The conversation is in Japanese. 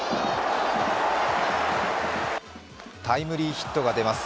タイムリーヒットが出ます。